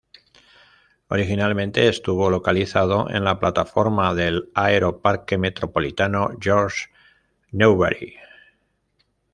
Originalmente estuvo localizado en la plataforma del Aeroparque Metropolitano Jorge Newbery.